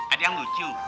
ada yang lucu